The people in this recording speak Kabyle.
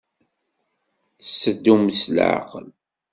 Tetteddumt s leɛqel.